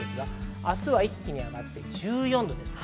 明日は一気に上がって１４度です。